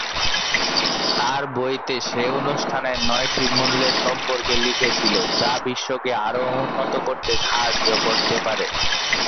তার বইতে সে অনুষ্ঠানের নয়টি মূল্যের সম্পর্কে লিখেছিল, যা বিশ্বকে আরও উন্নত করতে সাহায্য করতে পারে।